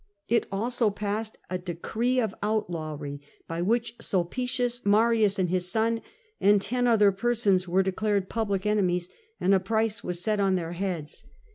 It also passed a decree of outlawry, by which Sulpicius, Marius and his son, and ten other persons, were declared public enemies, and a price was set on their heads.